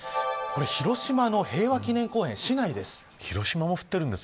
広島の平和記念公園市内です。